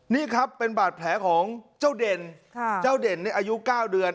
นี่ครับเป็นบาดแผลของเจ้าเด่นเจ้าเด่นในอายุ๙เดือน